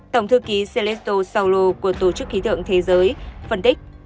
tổng thư ký celesto saulo của tổ chức khí tượng thế giới phân tích